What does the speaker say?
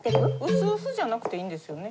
薄々じゃなくていいんですよね？